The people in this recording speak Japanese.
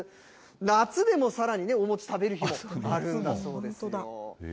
夏でもさらにね、お餅食べる日もあるんだそうですよ。